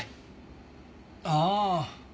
ああ。